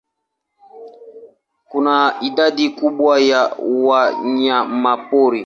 Kuna idadi kubwa ya wanyamapori.